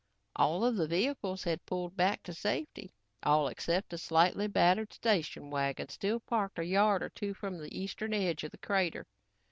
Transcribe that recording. All of the vehicles had pulled back to safety all except a slightly battered station wagon still parked a yard or two from the eastern edge of the crater.